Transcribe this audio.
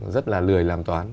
rất là lười làm toán